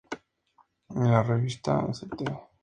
La revista "St.